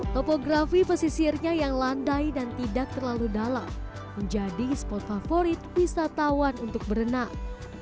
topografi pesisirnya yang landai dan tidak terlalu dalam menjadi spot favorit wisatawan untuk berenang